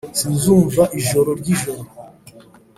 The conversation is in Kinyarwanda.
sinzumva ijoro ryijoro